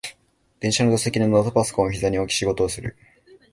電車の座席でノートパソコンをひざに置き仕事をする